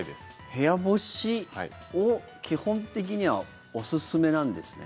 部屋干しを基本的にはおすすめなんですね？